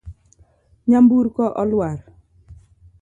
Nyamburko oluar.